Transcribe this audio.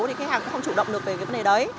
thì khách hàng cũng không chủ động được về vấn đề đấy